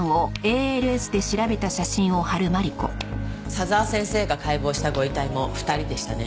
佐沢先生が解剖したご遺体も２人でしたね。